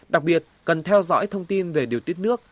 đặc biệt cần theo dõi thông tin về điều tiết nước